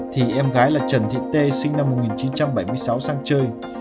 thì em gái là trần thị tê sinh năm một nghìn chín trăm bảy mươi sáu sang chơi